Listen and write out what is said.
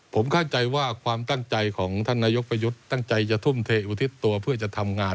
ผมเข้าใจว่าความตั้งใจของท่านนายกประยุทธ์ตั้งใจจะทุ่มเทอุทิศตัวเพื่อจะทำงาน